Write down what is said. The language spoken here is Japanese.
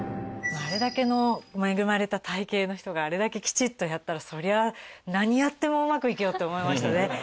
あれだけの恵まれた体形の人があれだけきちっとやったらそりゃ何やってもうまくいくよって思いましたね。